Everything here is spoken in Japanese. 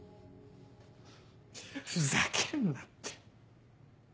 ふざけんなって。